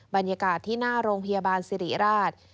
บรรยากาศที่หน้าโรงพยาบาลสิริราช